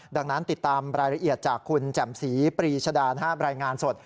ดังนั้นติดตามรายละเอียดจากคุณแจ่มศรีปรีชดานรายงานสด